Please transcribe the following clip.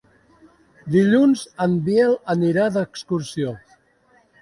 Dilluns en Biel anirà d'excursió.